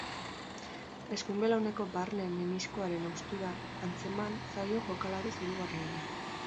Eskuin belauneko barne meniskoaren haustura antzeman zaio jokalari zuri-gorriari.